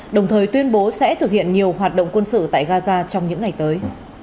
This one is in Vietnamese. đồng thời tuyên bố sẽ thực hiện nhiều hoạt động quân sự tại gaza trong những ngày tới